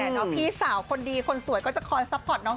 ยังคุยกันอัปเดตยังคุยกันเป็นชั่วโมงเลย